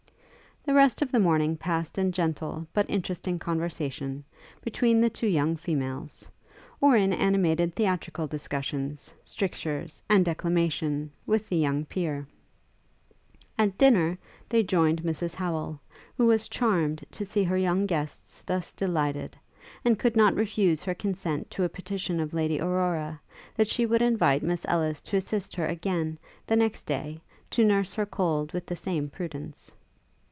The rest of the morning passed in gentle, but interesting conversation, between the two young females; or in animated theatrical discussions, strictures, and declamation, with the young peer. At dinner they joined Mrs Howel, who was charmed to see her young guests thus delighted, and could not refuse her consent to a petition of Lady Aurora, that she would invite Miss Ellis to assist her again, the next day, to nurse her cold with the same prudence.